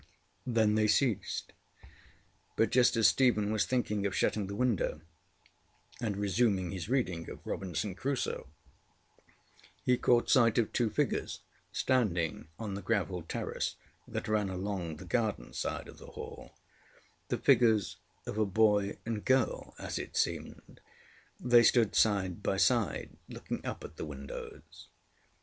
Then they ceased; but just as Stephen was thinking of shutting the window and resuming his reading of Robinson Crusoe, he caught sight of two figures standing on the gravelled terrace that ran along the garden side of the HallŌĆöthe figures of a boy and girl, as it seemed; they stood side by side, looking up at the windows.